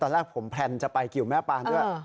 ตอนแรกผมแพลนจะไปกิวแม่ปานด้วย